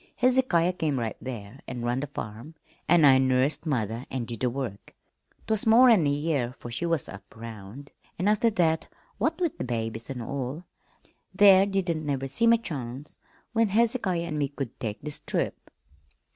Hezekiah came right there an' run the farm an' I nursed mother an' did the work. 'T was more'n a year 'fore she was up 'round, an' after that, what with the babies an' all, there didn't never seem a chance when Hezekiah an' me could take this trip.